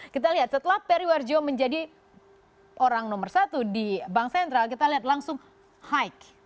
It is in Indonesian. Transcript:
kita lihat setelah perry warjo menjadi orang nomor satu di bank sentral kita lihat langsung high